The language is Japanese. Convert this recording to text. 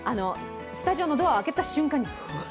スタジオのドアを開けた瞬間にうわっと。